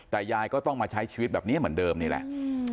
แต่ยายก็ต้องมาใช้ชีวิตแบบนี้เหมือนเดิมนี่แหละ